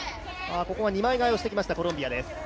二枚替えをしてきましたコロンビアです。